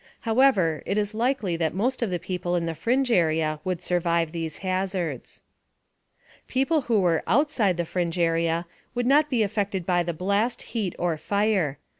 However, it is likely that most of the people in the fringe area would survive these hazards. People who were outside the fringe area would not be affected by the blast, heat or fire.